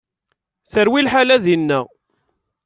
Terwi lḥala dinna.